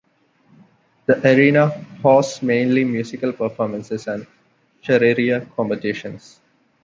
The arena hosts mainly musical performances and charreria competitions.